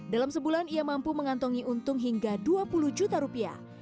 dalam sebulan ia mampu mengantongi untung hingga dua puluh juta rupiah